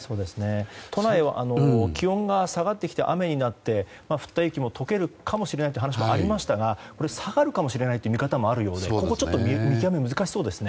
都内は気温が下がってきて雨になって、降った雪も解けるかもしれないという話もありましたがこれ下がるかもしれないという見方もあるようでここちょっと見極め難しそうですね。